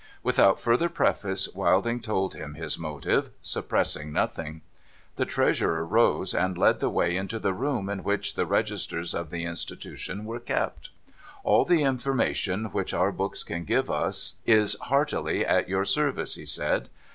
Without further preface. Wilding told him his motive, suppressing nothing. The Treasurer rose, and led the way into the room in which the A JOURNEY OF INVESTIGATION 505 registers of the institution were kept. ' All the information which our books can give is heartily at your service,' he said.